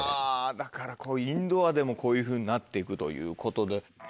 だからインドアでもこういうふうになっていくということで。